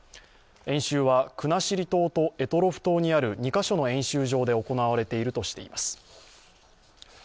演習は国後島と択捉島にある２カ所の演習場で行われているとしています。